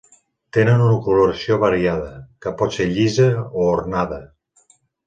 Tenen una coloració variada, que pot ser llisa o ornada.